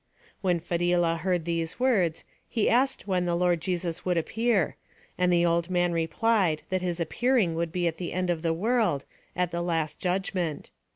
When Fadhilah heard these words, he asked when the Lord Jesus would appear; and the old man replied that his appearing would be at the end of the world, at the Last Judgment.